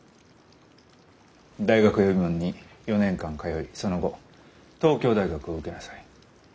大学予備門に４年間通いその後東京大学を受けなさい。